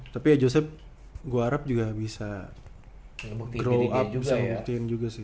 tapi ya joseph gue harap juga bisa grow up bisa nge buktiin juga sih